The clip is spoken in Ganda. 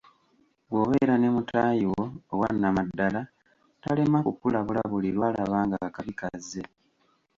Bw’obeera ne mutaayi wo owannamaddala talema kukulabula buli lwalaba nga akabi kazze.